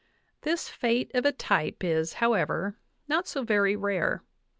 This fate of a type is, however, not so very rare.